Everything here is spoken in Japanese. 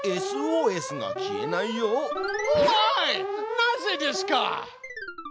なぜですか？